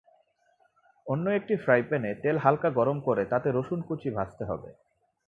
অন্য একটি ফ্রাইপ্যানে তেল হালকা গরম করে তাতে রসুন কুচি ভাজতে হবে।